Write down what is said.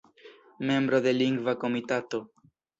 Membro de Lingva Komitato.